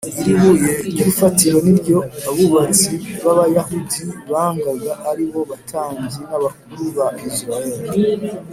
iri buye ry’urufatiro ni ryo abubatsi b’abayahudi bangaga ari bo batambyi n’abakuru ba isirayeli